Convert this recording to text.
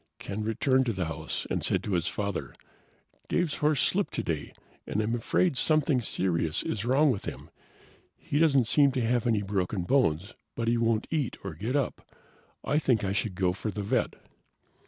Ken returned to the house and said to his father, "Dave's horse slipped today, and I'm afraid something serious is wrong with him. He doesn't seem to have any broken bones, but he won't eat or get up. I think I should go for the vet."